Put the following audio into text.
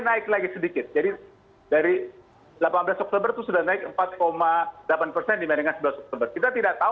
naik lagi sedikit jadmin dari delapan belas draw suku percusuk naik empat delapan persen di bedakan sebelum kita tidak tahu